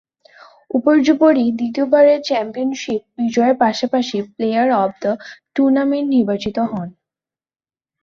উপর্যুপরি দ্বিতীয়বারের চ্যাম্পিয়নশীপ বিজয়ের পাশাপাশি প্লেয়ার অব দ্য টুর্নামেন্ট নির্বাচিত হন।